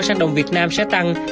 sang đồng việt nam sẽ tăng